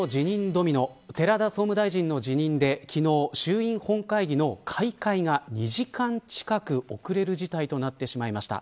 ドミノ寺田総務大臣の辞任で昨日、衆院本会議の開会が２時間近く遅れる事態となってしまいました。